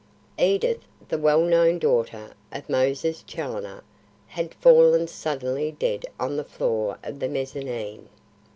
Edith, the well known daughter of Moses Challoner, had fallen suddenly dead on the floor of the mezzanine.